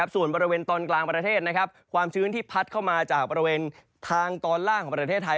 ส่วนบริเวณตอนกลางประเทศความชื้นที่พัดเข้ามาจากบริเวณทางตอนล่างของประเทศไทย